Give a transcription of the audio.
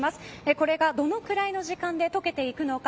これがどのくらいの時間で解けていくのか。